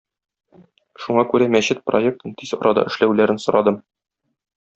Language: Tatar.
Шуңа күрә мәчет проектын тиз арада эшләүләрен сорадым.